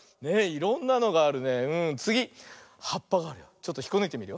ちょっとひっこぬいてみるよ。